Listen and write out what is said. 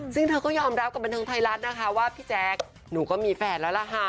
ซึ่งเธอก็ยอมรับกับบันเทิงไทยรัฐนะคะว่าพี่แจ๊คหนูก็มีแฟนแล้วล่ะค่ะ